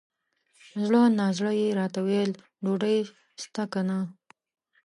زړه نا زړه یې راته وویل ! ډوډۍ سته که نه؟